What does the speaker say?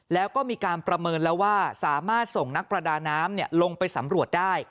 แล้วก็มีการประเมินแล้วว่าสามารถส่งนักประดาน้ำลงไปสำรวจได้